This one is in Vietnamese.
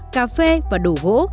cà phê và đồ gỗ